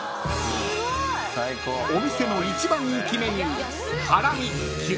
［お店の一番人気メニュー］